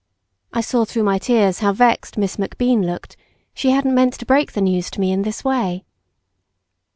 I saw through my tears how vexed Miss MacBean looked; she hadn't meant to break the news to me in this way.